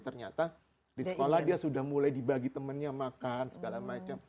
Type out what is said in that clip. ternyata di sekolah dia sudah mulai dibagi temennya makan segala macam